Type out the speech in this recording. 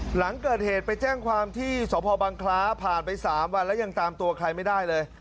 หลังเกิดเหตุไปแจ้งความที่สพบังคล้าผ่านไป๓วันแล้วยังตามตัวใครไม่ได้เลย